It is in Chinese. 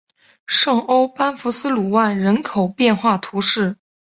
圣欧班福斯卢万人口变化图示